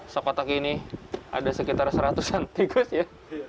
sokotak ini ada sekitar seratusan tikus ya